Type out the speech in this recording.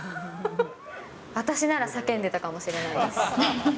私なら叫んでたかもしれないです。